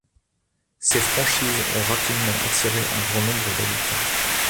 Ces franchises ont rapidement attiré un grand nombre d'habitants.